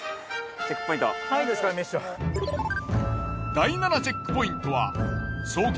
第７チェックポイントは創建